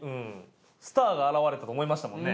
スターが現れたと思いましたもんね。